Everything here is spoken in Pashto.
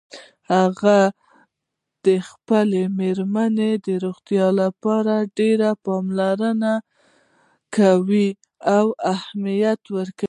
هغه د خپلې میرمن د روغتیا لپاره ډېره پاملرنه کوي او اهمیت ورکوي